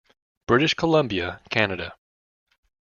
British Columbia, Canada.